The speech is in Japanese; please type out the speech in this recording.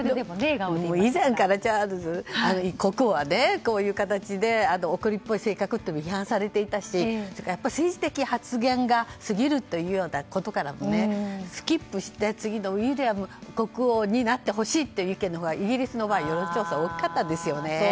以前からチャールズ国王はこういう形で怒りっぽい性格と批判されていたし政治的発言が過ぎるというようなところからもスキップして次のウィリアム国王になってほしいという意見のほうがイギリスの世論調査で多かったんですよね。